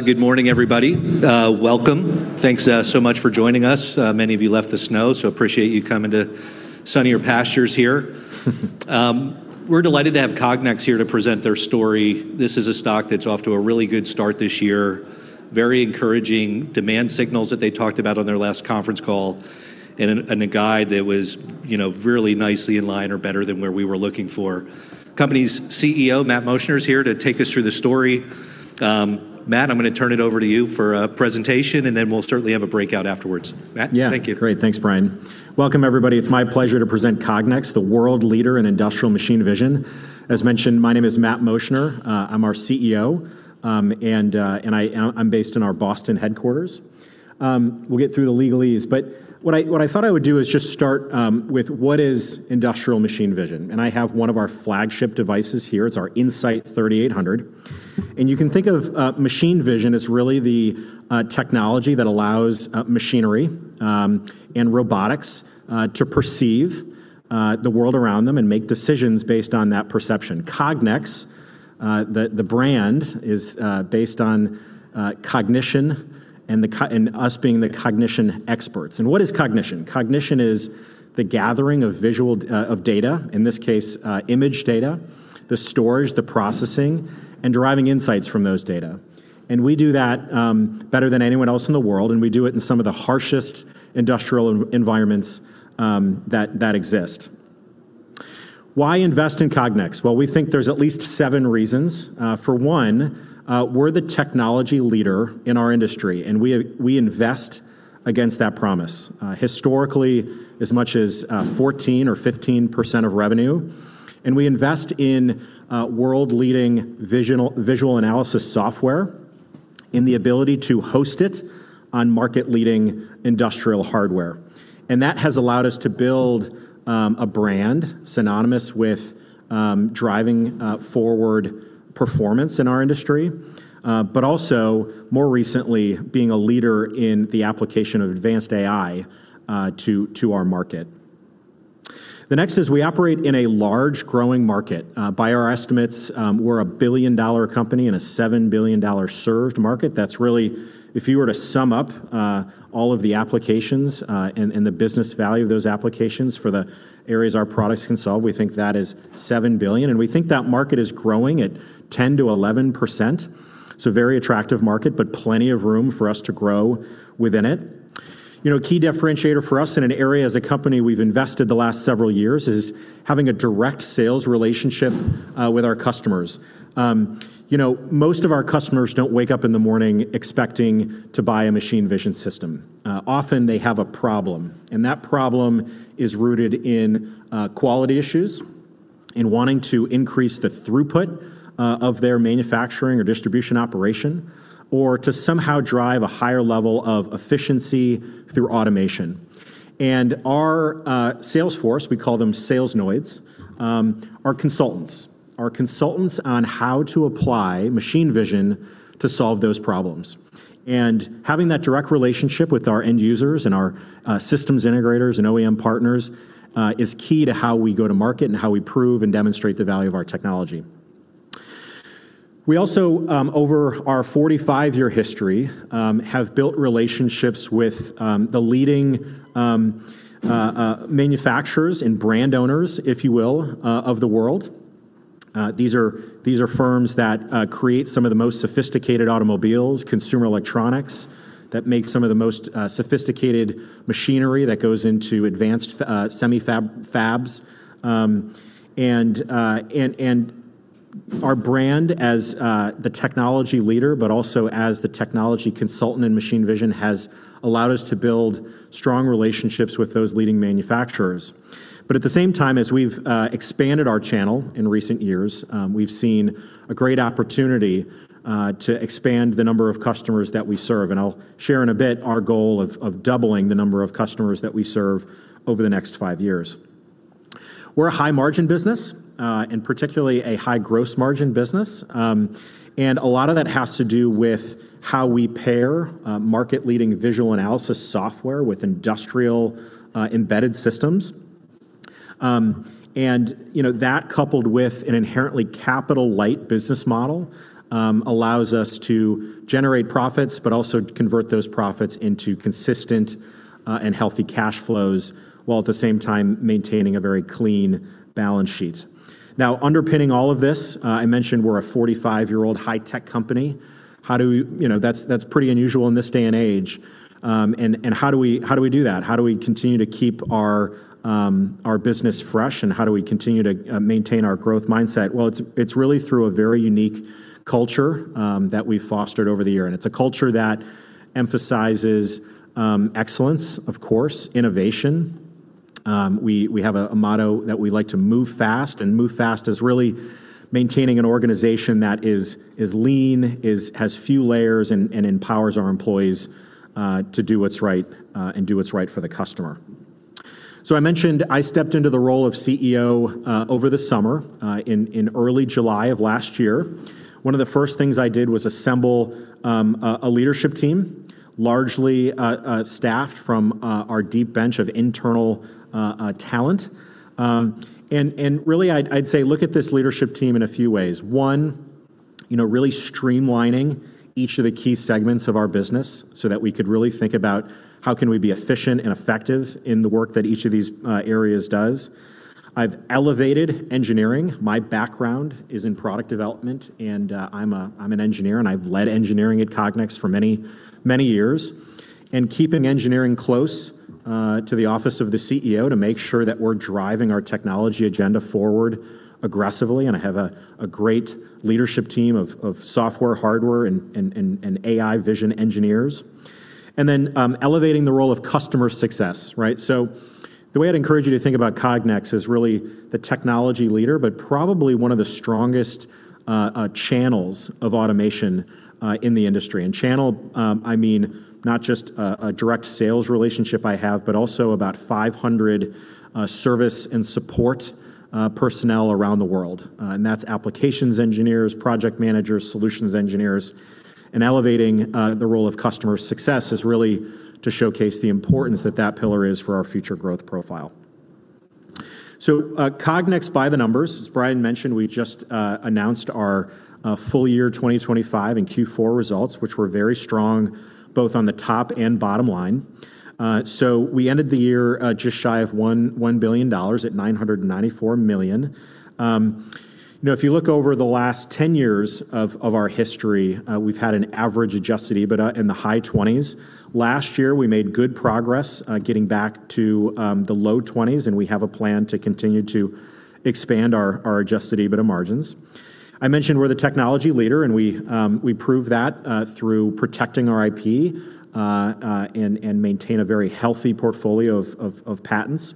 Good morning, everybody. Welcome. Thanks, so much for joining us. Many of you left the snow, so appreciate you coming to sunnier pastures here. We're delighted to have Cognex here to present their story. This is a stock that's off to a really good start this year. Very encouraging demand signals that they talked about on their last conference call and a guide that was, you know, really nicely in line or better than where we were looking for. Company's CEO, Robert Willett, is here to take us through the story. Robert, I'm gonna turn it over to you for a presentation, and then we'll certainly have a breakout afterwards. Robert? Yeah. Thank you. Great. Thanks, Brian. Welcome, everybody. It's my pleasure to present Cognex, the world leader in industrial machine vision. As mentioned, my name is Robert Willett. I'm our CEO, and I'm based in our Boston headquarters. We'll get through the legalese, but what I, what I thought I would do is just start with what is industrial machine vision? I have one of our flagship devices here. It's our In-Sight 3800. You can think of machine vision as really the technology that allows machinery and robotics to perceive the world around them and make decisions based on that perception. Cognex, the brand is based on cognition and us being the cognition experts. What is cognition? Cognition is the gathering of visual of data, in this case, image data, the storage, the processing, and deriving insights from those data. We do that better than anyone else in the world, and we do it in some of the harshest industrial environments that exist. Why invest in Cognex? Well, we think there's at least seven reasons. For one, we're the technology leader in our industry, and we invest against that promise, historically as much as 14% or 15% of revenue, and we invest in world-leading visual analysis software and the ability to host it on market-leading industrial hardware. That has allowed us to build a brand synonymous with driving forward performance in our industry, but also, more recently, being a leader in the application of advanced AI to our market. The next is we operate in a large growing market. By our estimates, we're a billion-dollar company in a $7 billion served market. That's really, if you were to sum up all of the applications and the business value of those applications for the areas our products can solve, we think that is $7 billion, and we think that market is growing at 10%-11%, so very attractive market, but plenty of room for us to grow within it. You know, a key differentiator for us in an area as a company we've invested the last several years is having a direct sales relationship with our customers. You know, most of our customers don't wake up in the morning expecting to buy a machine vision system. Often they have a problem, and that problem is rooted in quality issues, in wanting to increase the throughput of their manufacturing or distribution operation or to somehow drive a higher level of efficiency through automation. Our sales force, we call them Salesnoids, are consultants on how to apply machine vision to solve those problems. Having that direct relationship with our end users and our systems integrators and OEM partners, is key to how we go to market and how we prove and demonstrate the value of our technology. We also, over our 45-year history, have built relationships with the leading manufacturers and brand owners, if you will, of the world. These are firms that create some of the most sophisticated automobiles, consumer electronics, that make some of the most sophisticated machinery that goes into advanced semi-fabs. Our brand as the technology leader but also as the technology consultant in industrial machine vision has allowed us to build strong relationships with those leading manufacturers. At the same time, as we've expanded our channel in recent years, we've seen a great opportunity to expand the number of customers that we serve, and I'll share in a bit our goal of doubling the number of customers that we serve over the next five years. We're a high-margin business, particularly a high gross margin business. A lot of that has to do with how we pair market-leading visual analysis software with industrial embedded systems. You know, that coupled with an inherently capital-light business model allows us to generate profits but also convert those profits into consistent and healthy cash flows while at the same time maintaining a very clean balance sheet. Now, underpinning all of this, I mentioned we're a 45-year-old high-tech company. You know, that's pretty unusual in this day and age. How do we do that? How do we continue to keep our business fresh, and how do we continue to maintain our growth mindset? Well, it's really through a very unique culture that we've fostered over the year, and it's a culture that emphasizes excellence, of course, innovation. We have a motto that we like to move fast, and move fast is really maintaining an organization that is lean, is has few layers, and empowers our employees to do what's right, and do what's right for the customer. I mentioned I stepped into the role of CEO over the summer, in early July of last year. One of the first things I did was assemble a leadership team. Largely staffed from our deep bench of internal talent. Really I'd say look at this leadership team in a few ways. One, you know, really streamlining each of the key segments of our business so that we could really think about how can we be efficient and effective in the work that each of these areas does. I've elevated engineering. My background is in product development, and I'm an engineer, and I've led engineering at Cognex for many years. Keeping engineering close to the office of the CEO to make sure that we're driving our technology agenda forward aggressively, and I have a great leadership team of software, hardware and AI vision engineers. Elevating the role of customer success, right? The way I'd encourage you to think about Cognex is really the technology leader, but probably one of the strongest channels of automation in the industry. Channel, I mean, not just a direct sales relationship I have, but also about 500 service and support personnel around the world, and that's applications engineers, project managers, solutions engineers. Elevating the role of customer success is really to showcase the importance that that pillar is for our future growth profile. Cognex by the numbers. As Brian mentioned, we just announced our full year 2025 and Q4 results, which were very strong both on the top and bottom line. We ended the year just shy of $1 billion at $994 million. You know, if you look over the last 10 years of our history, we've had an average Adjusted EBITDA in the high 20s. Last year, we made good progress, getting back to the low 20s, and we have a plan to continue to expand our Adjusted EBITDA margins. I mentioned we're the technology leader, and we prove that through protecting our IP and maintain a very healthy portfolio of patents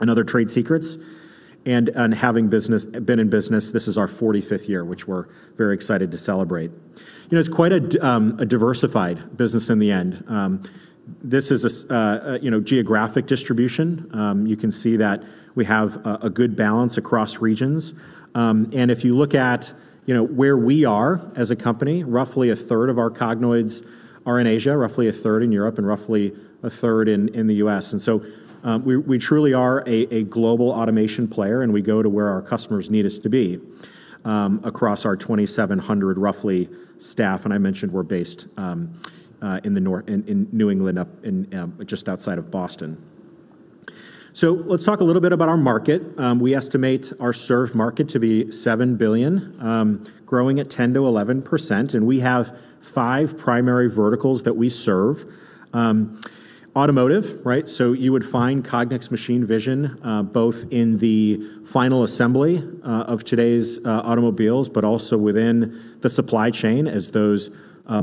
and other trade secrets. Having been in business, this is our 45th year, which we're very excited to celebrate. You know, it's quite a diversified business in the end. This is a, you know, geographic distribution. You can see that we have a good balance across regions. If you look at, you know, where we are as a company, roughly a third of our Cognoids are in Asia, roughly a third in Europe, and roughly a third in the U.S. We truly are a global automation player, and we go to where our customers need us to be across our 2,700 roughly staff. I mentioned we're based in New England up in just outside of Boston. Let's talk a little bit about our market. We estimate our served market to be $7 billion, growing at 10%-11%, and we have five primary verticals that we serve. Automotive, right? You would find Cognex machine vision, both in the final assembly of today's automobiles, but also within the supply chain as those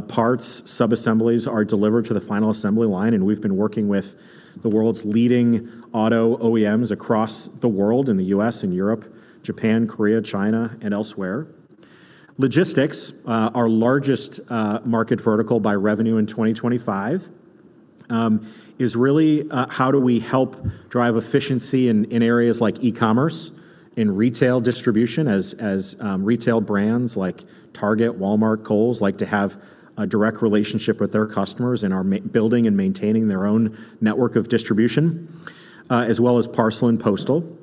parts, sub-assemblies are delivered to the final assembly line. We've been working with the world's leading auto OEMs across the world, in the U.S. and Europe, Japan, Korea, China, and elsewhere. Logistics, our largest market vertical by revenue in 2025, is really, how do we help drive efficiency in areas like e-commerce, in retail distribution as, retail brands like Target, Walmart, Kohl's like to have a direct relationship with their customers and are building and maintaining their own network of distribution, as well as parcel and postal.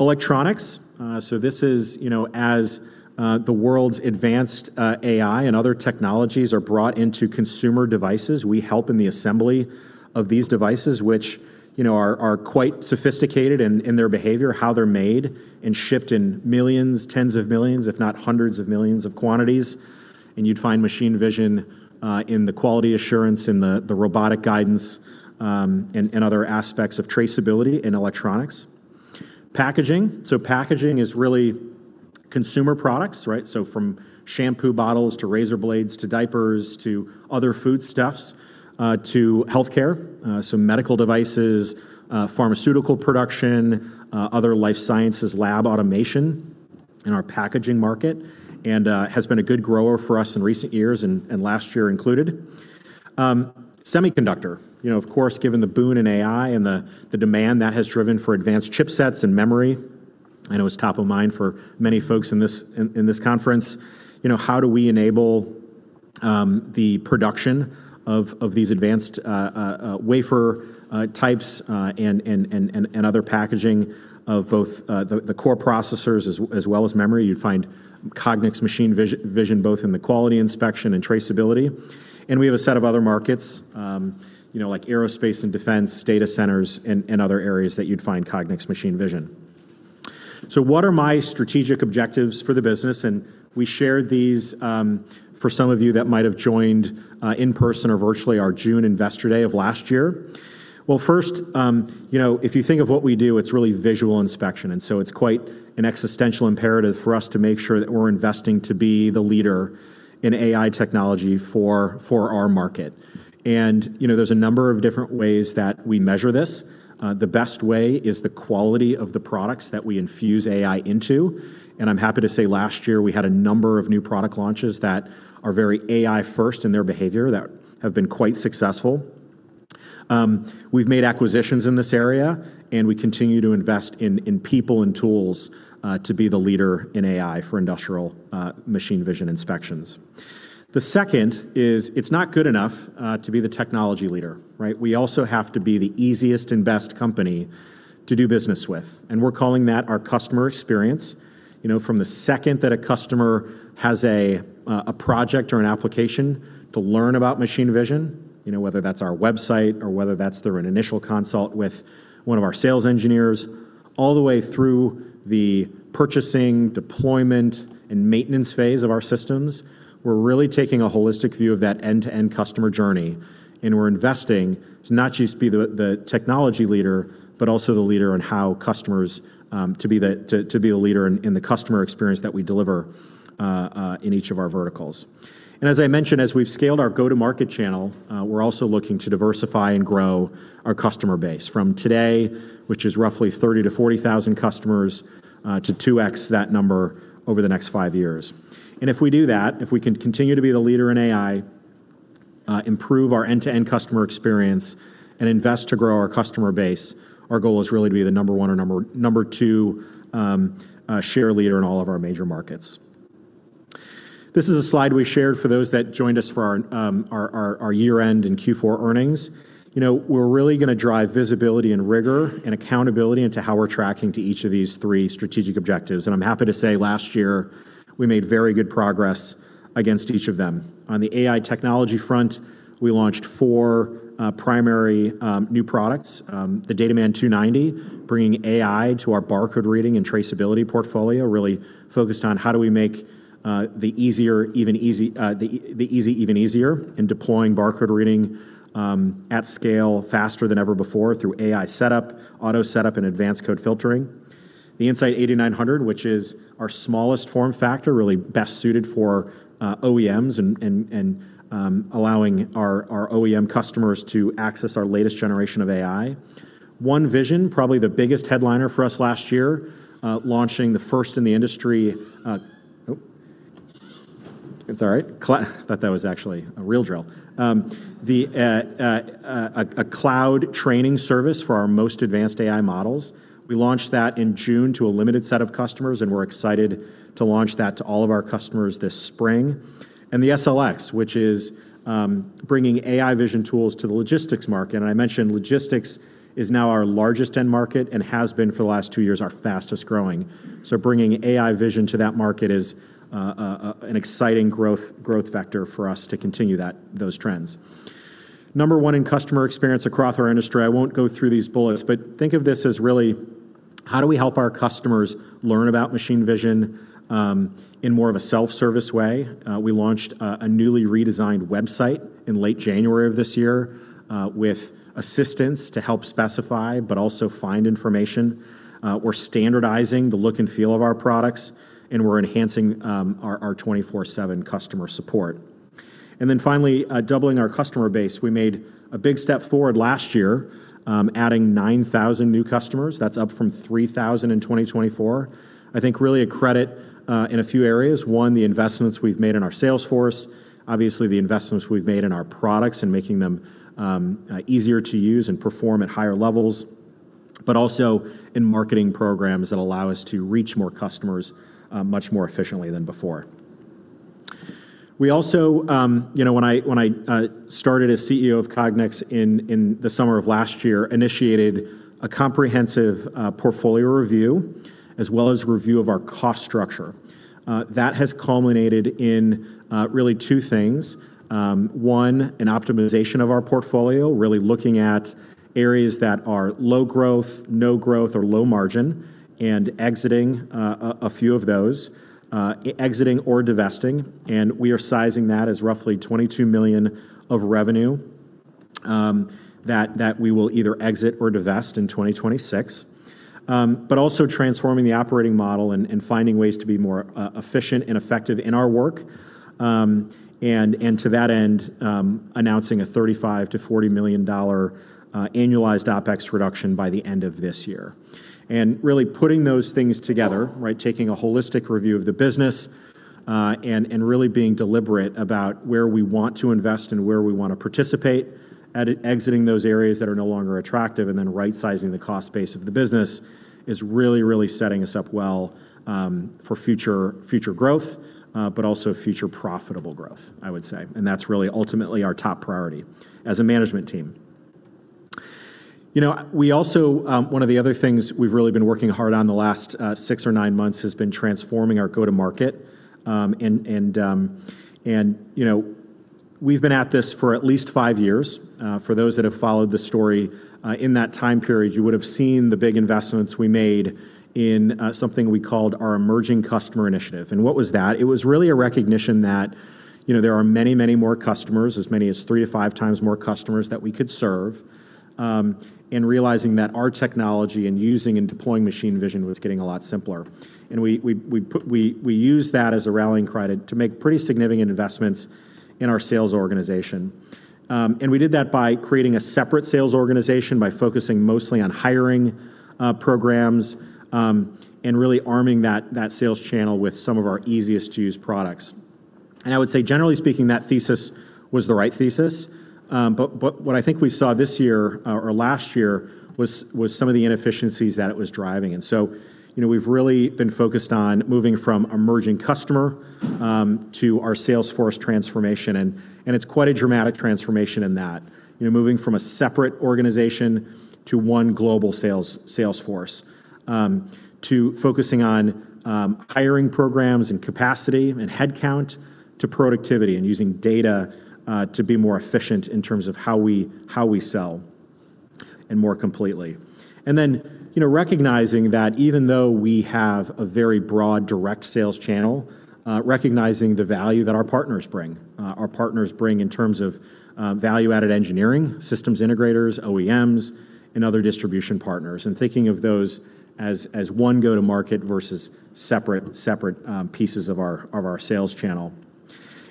Electronics. So this is, you know, as the world's advanced, AI and other technologies are brought into consumer devices, we help in the assembly of these devices, which, you know, are quite sophisticated in their behavior, how they're made and shipped in millions, tens of millions, if not hundreds of millions of quantities. You'd find machine vision in the quality assurance, in the robotic guidance, and other aspects of traceability in electronics. Packaging. Packaging is really consumer products, right? From shampoo bottles to razor blades to diapers to other foodstuffs, to healthcare, so medical devices, pharmaceutical production, other life sciences lab automation in our packaging market, and has been a good grower for us in recent years and last year included. Semiconductor. You know, of course, given the boon in AI and the demand that has driven for advanced chipsets and memory, I know it's top of mind for many folks in this conference. You know, how do we enable the production of these advanced wafer types and other packaging of both the core processors as well as memory? You'd find Cognex machine vision both in the quality inspection and traceability. We have a set of other markets, you know, like aerospace and defense, data centers, and other areas that you'd find Cognex machine vision. What are my strategic objectives for the business? We shared these for some of you that might have joined in person or virtually our June Investor Day of last year. Well, first, you know, if you think of what we do, it's really visual inspection, it's quite an existential imperative for us to make sure that we're investing to be the leader in AI technology for our market. You know, there's a number of different ways that we measure this. The best way is the quality of the products that we infuse AI into. I'm happy to say last year we had a number of new product launches that are very AI first in their behavior that have been quite successful. We've made acquisitions in this area, and we continue to invest in people and tools, to be the leader in AI for industrial machine vision inspections. The second is it's not good enough to be the technology leader, right? We also have to be the easiest and best company to do business with. We're calling that our customer experience. You know, from the second that a customer has a project or an application to learn about machine vision, you know, whether that's our website or whether that's through an initial consult with one of our sales engineers, all the way through the purchasing, deployment, and maintenance phase of our systems, we're really taking a holistic view of that end-to-end customer journey. We're investing to not just be the technology leader, but also the leader on how customers to be the leader in the customer experience that we deliver in each of our verticals. As I mentioned, as we've scaled our go-to-market channel, we're also looking to diversify and grow our customer base from today, which is roughly 30,000-40,000 customers, to 2x that number over the next five years. If we do that, if we can continue to be the leader in AI, improve our end-to-end customer experience, and invest to grow our customer base, our goal is really to be the number one or number two share leader in all of our major markets. This is a slide we shared for those that joined us for our year-end and Q4 earnings. You know, we're really going to drive visibility and rigor and accountability into how we're tracking to each of these three strategic objectives. I'm happy to say last year we made very good progress against each of them. On the AI technology front, we launched four primary new products. The DataMan 290, bringing AI to our barcode reading and traceability portfolio, really focused on how do we make the easier even easy, the easy even easier in deploying barcode reading at scale faster than ever before through AI setup, auto setup, and advanced code filtering. The In-Sight 8900, which is our smallest form factor, really best suited for OEMs and allowing our OEM customers to access our latest generation of AI. OneVision, probably the biggest headliner for us last year, launching the first in the industry. Oh. It's all right. Thought that was actually a real drill. The cloud training service for our most advanced AI models. We launched that in June to a limited set of customers, and we're excited to launch that to all of our customers this spring. The SLX, which is bringing AI vision tools to the logistics market. I mentioned logistics is now our largest end market and has been for the last two years our fastest growing. Bringing AI vision to that market is an exciting growth vector for us to continue that, those trends. Number one in customer experience across our industry. I won't go through these bullets, but think of this as really how do we help our customers learn about machine vision in more of a self-service way. We launched a newly redesigned website in late January of this year with assistance to help specify but also find information. We're standardizing the look and feel of our products, and we're enhancing our 24/7 customer support. Finally, doubling our customer base. We made a big step forward last year, adding 9,000 new customers. That's up from 3,000 in 2024. I think really a credit in a few areas. The investments we've made in our sales force, obviously the investments we've made in our products and making them easier to use and perform at higher levels, but also in marketing programs that allow us to reach more customers much more efficiently than before. We also, you know, when I started as CEO of Cognex in the summer of last year, initiated a comprehensive portfolio review as well as review of our cost structure. That has culminated in really two things. An optimization of our portfolio, really looking at areas that are low growth, no growth or low margin, and exiting a few of those exiting or divesting, and we are sizing that as roughly $22 million of revenue that we will either exit or divest in 2026. Also transforming the operating model and finding ways to be more efficient and effective in our work. To that end, announcing a $35 million-$40 million annualized OpEx reduction by the end of this year. Really putting those things together, right, taking a holistic review of the business, and really being deliberate about where we want to invest and where we wanna participate, exiting those areas that are no longer attractive, and then rightsizing the cost base of the business is really setting us up well for future growth, but also future profitable growth, I would say. That's really ultimately our top priority as a management team. You know, we also, one of the other things we've really been working hard on the last six or nine months has been transforming our go-to-market, and, you know, we've been at this for at least five years. For those that have followed the story, in that time period, you would have seen the big investments we made in something we called our Emerging Customer initiative. What was that? It was really a recognition that, you know, there are many, many more customers, as many as 3-5x more customers that we could serve, and realizing that our technology and using and deploying machine vision was getting a lot simpler. We used that as a rallying cry to make pretty significant investments in our sales organization. We did that by creating a separate sales organization, by focusing mostly on hiring programs, and really arming that sales channel with some of our easiest to use products. I would say generally speaking, that thesis was the right thesis. What I think we saw this year or last year was some of the inefficiencies that it was driving. You know, we've really been focused on moving from Emerging Customer to our sales force transformation. It's quite a dramatic transformation in that, you know, moving from a separate organization to one global sales force, to focusing on hiring programs and capacity and headcount to productivity and using data to be more efficient in terms of how we sell and more completely. You know, recognizing that even though we have a very broad direct sales channel, recognizing the value that our partners bring, our partners bring in terms of value-added engineering, systems integrators, OEMs, and other distribution partners, and thinking of those as one go-to-market versus separate pieces of our sales channel.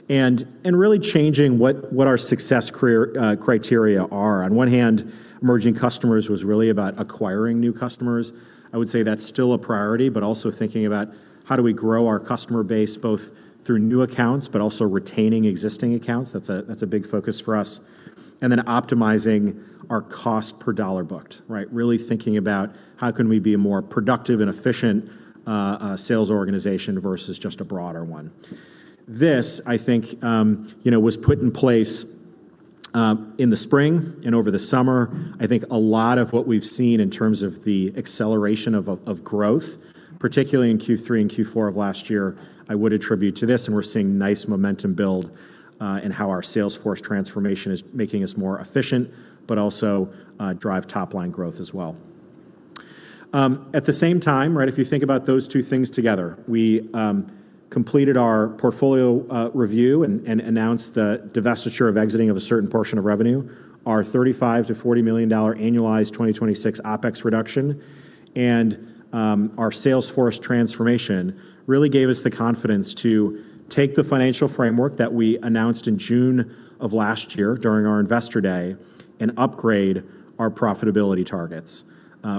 Really changing what our success criteria are. On one hand, Emerging Customers was really about acquiring new customers. I would say that's still a priority, but also thinking about how do we grow our customer base, both through new accounts but also retaining existing accounts. That's a big focus for us. Optimizing our cost per dollar booked, right? Really thinking about how can we be a more productive and efficient sales organization versus just a broader one. This, I think, you know, was put in place in the spring and over the summer. I think a lot of what we've seen in terms of the acceleration of growth, particularly in Q3 and Q4 of last year, I would attribute to this, and we're seeing nice momentum build in how our sales force transformation is making us more efficient but also drive top-line growth as well. At the same time, right, if you think about those two things together, we completed our portfolio review and announced the divestiture of exiting of a certain portion of revenue. Our $35 million-$40 million annualized 2026 OpEx reduction and our sales force transformation really gave us the confidence to take the financial framework that we announced in June of last year during our Investor Day and upgrade our profitability targets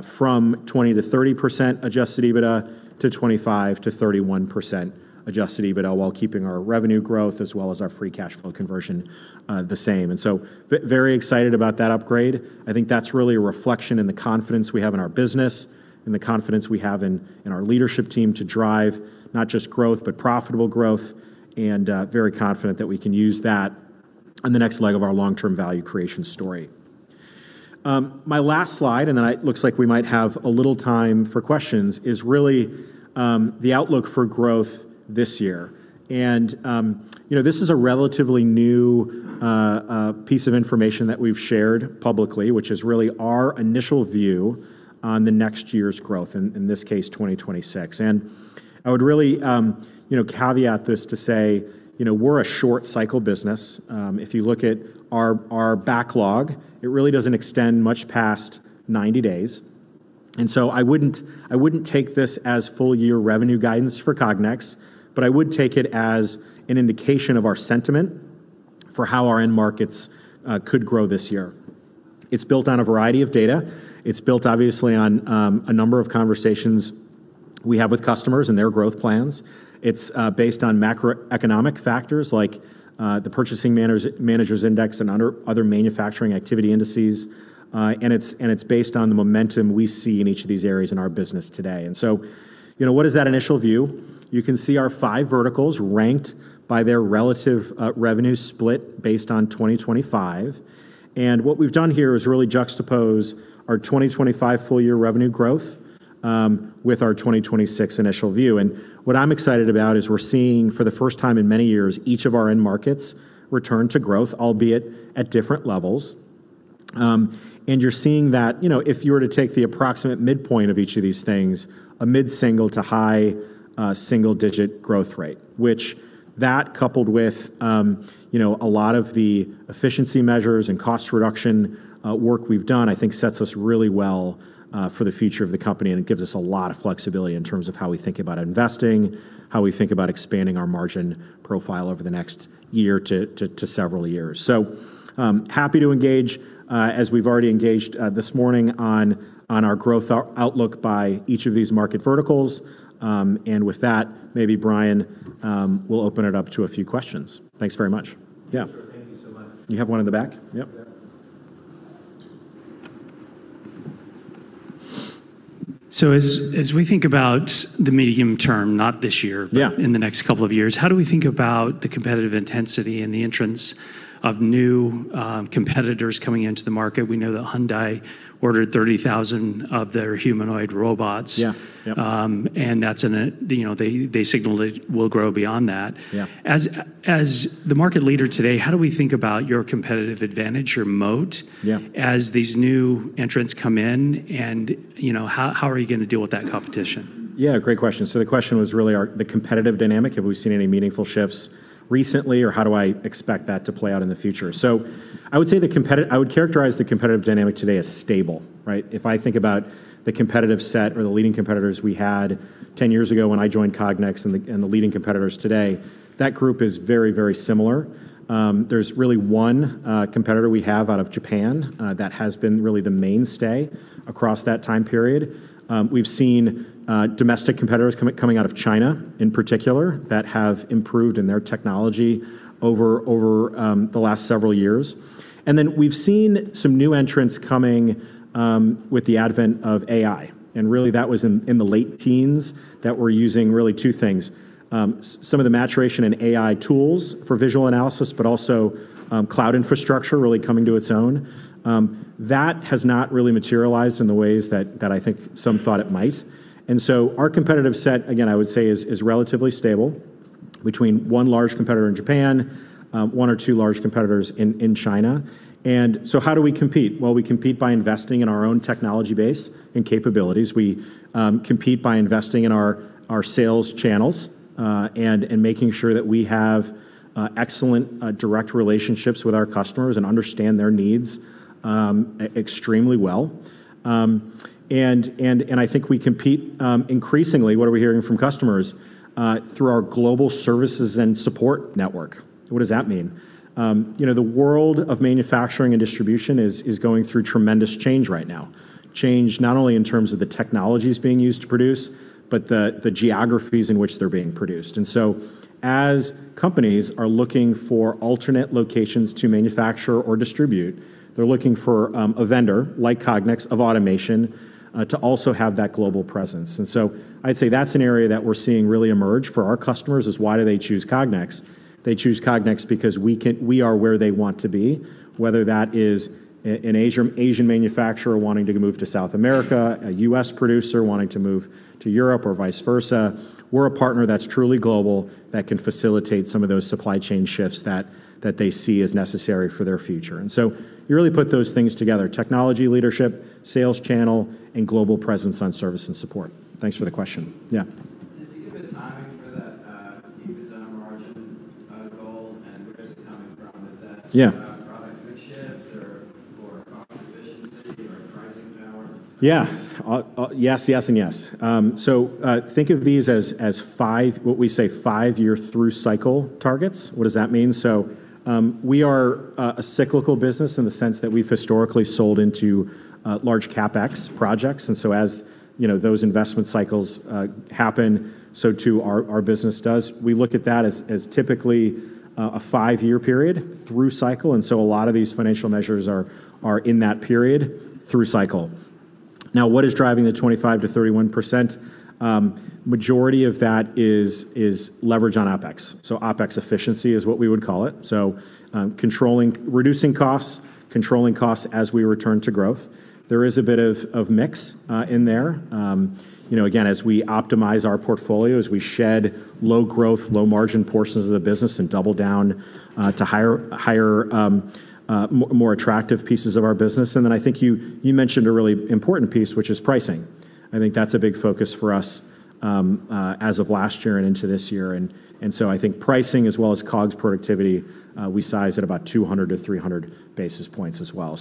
from 20%-30% Adjusted EBITDA to 25%-31% Adjusted EBITDA while keeping our revenue growth as well as our free cash flow conversion the same. Very excited about that upgrade. I think that's really a reflection in the confidence we have in our business and the confidence we have in our leadership team to drive not just growth, but profitable growth, very confident that we can use that on the next leg of our long-term value creation story. My last slide, looks like we might have a little time for questions, is really the outlook for growth this year. You know, this is a relatively new piece of information that we've shared publicly, which is really our initial view on the next year's growth, in this case, 2026. I would really, you know, caveat this to say, you know, we're a short cycle business. If you look at our backlog, it really doesn't extend much past 90 days. I wouldn't take this as full year revenue guidance for Cognex, but I would take it as an indication of our sentiment for how our end markets could grow this year. It's built on a variety of data. It's built obviously on a number of conversations we have with customers and their growth plans. It's based on macroeconomic factors like the Purchasing Managers' Index and other manufacturing activity indices. It's based on the momentum we see in each of these areas in our business today. You know, what is that initial view? You can see our five verticals ranked by their relative revenue split based on 2025. What we've done here is really juxtapose our 2025 full year revenue growth with our 2026 initial view. What I'm excited about is we're seeing for the first time in many years, each of our end markets return to growth, albeit at different levels. You're seeing that, you know, if you were to take the approximate midpoint of each of these things, a mid-single to high, single-digit growth rate, which that coupled with, you know, a lot of the efficiency measures and cost reduction work we've done, I think sets us really well for the future of the company, and it gives us a lot of flexibility in terms of how we think about investing, how we think about expanding our margin profile over the next year to several years. Happy to engage, as we've already engaged this morning on our growth outlook by each of these market verticals. With that, maybe Brian will open it up to a few questions. Thanks very much. Yeah. Sure. Thank you so much. You have one in the back? Yep. Yeah. As we think about the medium term, not this year. Yeah ...in the next couple of years, how do we think about the competitive intensity and the entrance of new competitors coming into the market? We know that Hyundai ordered 30,000 of their humanoid robots. Yeah. Yep. You know, they signaled it will grow beyond that. Yeah. As the market leader today, how do we think about your competitive advantage, your moat? Yeah ...as these new entrants come in? You know, how are you gonna deal with that competition? Yeah, great question. The question was really the competitive dynamic, have we seen any meaningful shifts recently, or how do I expect that to play out in the future? I would characterize the competitive dynamic today as stable, right? If I think about the competitive set or the leading competitors we had 10 years ago when I joined Cognex and the leading competitors today, that group is very similar. There's really one competitor we have out of Japan that has been really the mainstay across that time period. We've seen domestic competitors coming out of China in particular that have improved in their technology over the last several years. We've seen some new entrants coming with the advent of AI, and really that was in the late teens that were using really two things, some of the maturation in AI tools for visual analysis, but also cloud infrastructure really coming to its own. That has not really materialized in the ways that I think some thought it might. Our competitive set, again, I would say is relatively stable. Between one large competitor in Japan, one or two large competitors in China. How do we compete? Well, we compete by investing in our own technology base and capabilities. We compete by investing in our sales channels, and making sure that we have excellent direct relationships with our customers and understand their needs extremely well. I think we compete, increasingly, what are we hearing from customers, through our global services and support network. What does that mean? You know, the world of manufacturing and distribution is going through tremendous change right now. Change not only in terms of the technologies being used to produce, but the geographies in which they're being produced. As companies are looking for alternate locations to manufacture or distribute, they're looking for a vendor like Cognex of automation to also have that global presence. I'd say that's an area that we're seeing really emerge for our customers is why do they choose Cognex? They choose Cognex because we are where they want to be, whether that is an Asian manufacturer wanting to move to South America, a U.S. producer wanting to move to Europe, or vice versa. We're a partner that's truly global that can facilitate some of those supply chain shifts that they see as necessary for their future. You really put those things together, technology leadership, sales channel, and global presence on service and support. Thanks for the question. Yeah. Can you give a timing for that, EBITDA margin, goal, and where is it coming from? Yeah. product mix shift or cost efficiency or pricing power? Yeah. Yes, yes, and yes. Think of these as five-year through cycle targets. What does that mean? We are a cyclical business in the sense that we've historically sold into large CapEx projects, as those investment cycles happen, so too our business does. We look at that as typically a five-year period through cycle, a lot of these financial measures are in that period through cycle. What is driving the 25-31%? Majority of that is leverage on OpEx. OpEx efficiency is what we would call it. Reducing costs, controlling costs as we return to growth. There is a bit of mix in there. You know, again, as we optimize our portfolio, as we shed low growth, low margin portions of the business and double down to higher, more attractive pieces of our business. I think you mentioned a really important piece, which is pricing. I think that's a big focus for us as of last year and into this year. I think pricing as well as COGS productivity, we size at about 200-300 basis points as well.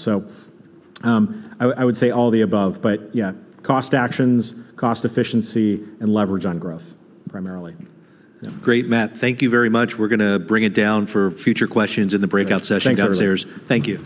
I would say all of the above, but yeah, cost actions, cost efficiency, and leverage on growth primarily. Yeah. Great, Matt. Thank you very much. We're gonna bring it down for future questions in the breakout sessions downstairs. Thanks, everyone. Thank you.